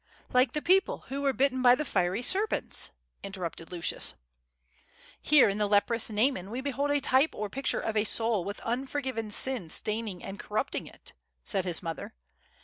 "Like the people who were bitten by the fiery serpents," interrupted Lucius. "Here in the leprous Naaman we behold a type or picture of a soul with unforgiven sin staining and corrupting it," said his mother.